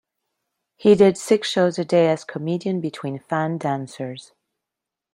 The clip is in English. He did six shows a day as comedian between fan dancers.